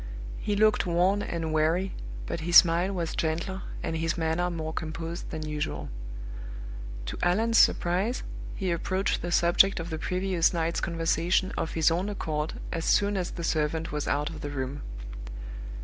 He looked worn and weary, but his smile was gentler and his manner more composed than usual. To Allan's surprise he approached the subject of the previous night's conversation of his own accord as soon as the servant was out of the room.